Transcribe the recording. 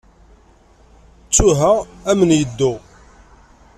Ttuha, amen yeddu.